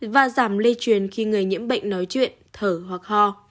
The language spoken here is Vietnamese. và giảm lây truyền khi người nhiễm bệnh nói chung